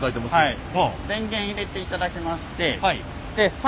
はい。